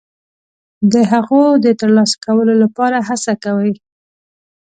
د هغو د ترلاسه کولو لپاره هڅه کوي.